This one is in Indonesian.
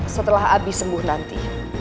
setelah abi sembuh nanti